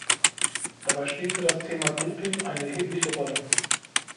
Dabei spielte das Thema Doping eine erhebliche Rolle.